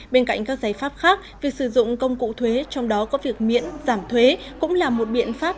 bên cạnh các giải pháp khác việc sử dụng công cụ thuế trong đó có việc miễn giảm thuế cũng là một biện pháp